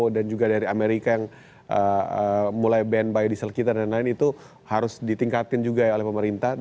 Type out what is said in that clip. dan juga dari amerika yang mulai banned by diesel kita dan lain lain itu harus ditingkatin juga oleh pemerintah